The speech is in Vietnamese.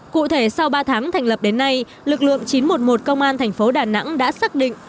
cụ thể sau ba tháng thành lập đến nay lực lượng chín trăm một mươi một công an thành phố đà nẵng đã xác định